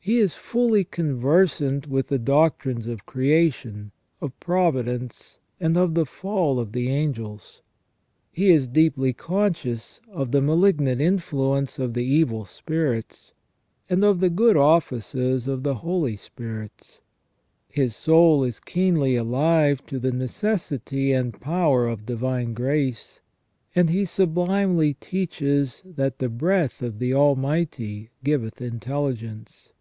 He is fully conversant with the doctrines of creation, of providence, and of the fall of the angels. He is deeply conscious of the malignant influence of the evil spirits, and of the good offices of the holy spirits. His soul is keenly alive to the necessity and power of divine grace, and he sublimely teaches that " the breath of the Almighty giveth intelligence